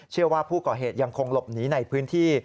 เชื่อว่าผู้ก่อเหตุยังคงหลบหนีในพื้นที่